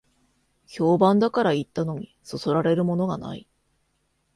評判だから行ったのに、そそられるものがない